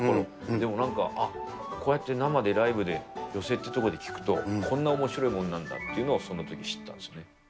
でもなんか、あっ、こうやって生で、ライブで寄席っていう所で聞くと、こんなおもしろいもんなんだというのをそのとき知ったんですよね。